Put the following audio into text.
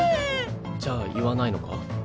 じゃあ言わないのか？